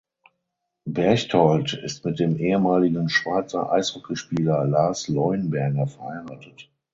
Berchtold ist mit dem ehemaligen Schweizer Eishockeyspieler Lars Leuenberger verheiratet.